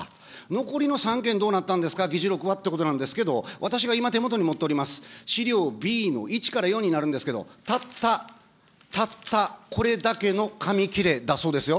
残りの３件、どうなったんですか、議事録はってことなんですけど、私が今、手元に持っております、資料Ｂの１から４になるんですけど、たった、たったこれだけの紙切れだそうですよ。